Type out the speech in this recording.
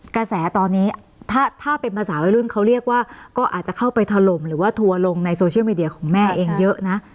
กระแสตอนนี้ถ้าเป็นภาษาวัยรุ่นเขาเรียกว่าก็อาจจะเข้าไปถล่มหรือว่าทัวร์ลงในโซเชียลมีเดียของแม่เองเยอะนะ